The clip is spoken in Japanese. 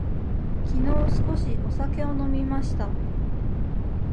きのう少しお酒を飲みました。